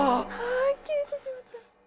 あ消えてしまった。